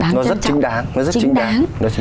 nó rất chính đáng